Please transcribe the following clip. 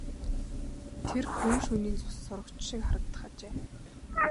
Тэр гүн шөнийн цус сорогч шиг харагдах ажээ.